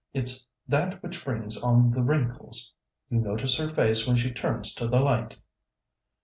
It's that which brings on the wrinkles. You notice her face when she turns to the light."